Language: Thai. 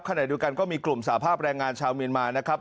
ขณะเดียวกันก็มีกลุ่มสาภาพแรงงานชาวเมียนมานะครับ